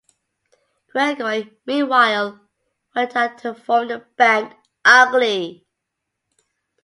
Gregory, meanwhile, went on to form the band Ugly.